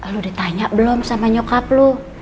lo udah tanya belum sama nyokap lo